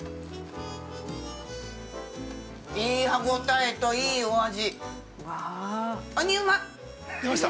いい歯応えといいお味。